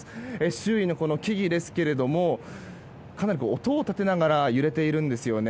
周囲の木々がかなり音を立てながら揺れているんですよね。